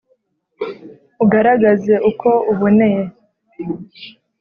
ugaragaze uko uboneye.